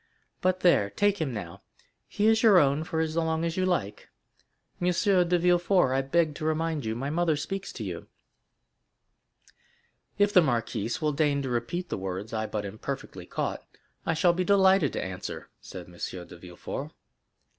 But there—now take him—he is your own for as long as you like. M. Villefort, I beg to remind you my mother speaks to you." "If the marquise will deign to repeat the words I but imperfectly caught, I shall be delighted to answer," said M. de Villefort.